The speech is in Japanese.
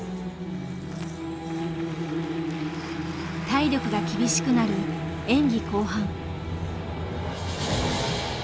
体力が厳しくなる演技後半。